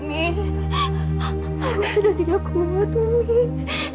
umih sudah tidak kuat umih